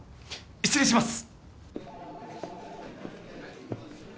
失礼します！